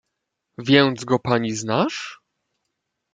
"Więc go pani znasz?"